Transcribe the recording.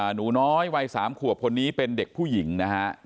หนูน้อยวัย๓ขวบคนนี้เป็นเด็กผู้หญิงนะฮะ